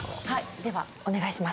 ではお願いします